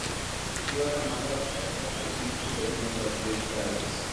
She was the mother of Apo Hiking Society member Jim Paredes